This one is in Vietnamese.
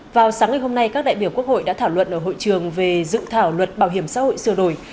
vào sáng ngày hôm nay các đại biểu quốc hội đã thảo luận ở hội trường về dự thảo luật bảo hiểm xã hội sửa đổi